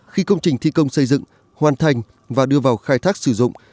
khi công trình thi công xây dựng hoàn thành và đưa vào khai thác sử dụng